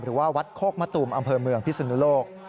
หรือว่าวัดโคกมะตูมอำเภอเมืองพิศนุโลก